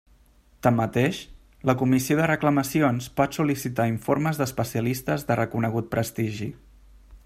Tanmateix, la Comissió de Reclamacions pot sol·licitar informes d'especialistes de reconegut prestigi.